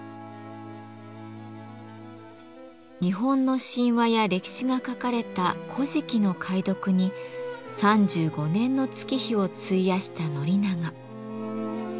日本の神話や歴史が書かれた「古事記」の解読に３５年の月日を費やした宣長。